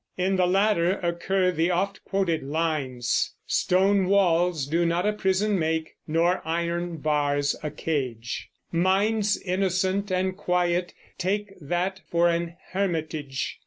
In the latter occur the oft quoted lines: Stone walls do not a prison make, Nor iron bars a cage; Minds innocent and quiet take That for an hermitage.